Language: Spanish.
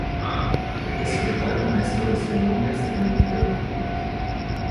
Jefe secretario y maestro de ceremonias del Infierno.